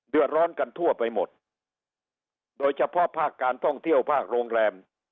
เดือดร้อนกันทั่วไปหมดโดยเฉพาะภาคการท่องเที่ยวภาคโรงแรม